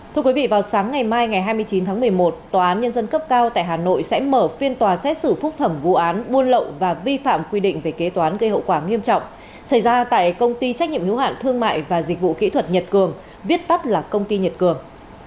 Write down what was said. thưa quý vị vào sáng ngày mai ngày hai mươi chín tháng một mươi một tòa án nhân dân cấp cao tại hà nội sẽ mở phiên tòa xét xử phúc thẩm vụ án buôn lậu và vi phạm quy định về kế toán gây hậu quả nghiêm trọng xảy ra tại công ty trách nhiệm hiếu hạn thương mại và dịch vụ kỹ thuật nhật cường viết tắt là công ty nhật cường